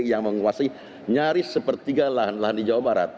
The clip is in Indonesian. yang menguasai nyaris sepertiga lahan lahan di jawa barat